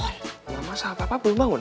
nah mas apa apa belum bangun